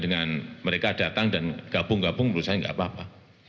dengan mereka datang dan gabung gabung menurut saya tidak apa apa